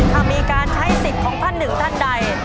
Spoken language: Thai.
ถ้ามีการใช้สิทธิ์ของท่านหนึ่งท่านใด